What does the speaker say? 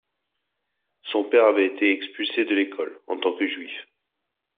Son père avait été expulsé de l'école, en tant que juif.